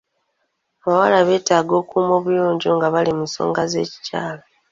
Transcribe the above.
Abawala beetaaga okukuuma obuyonjo nga bali mu nsonga z'ekikyala.